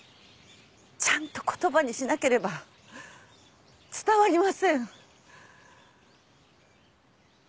ちゃんと言葉にしなければ伝わりません。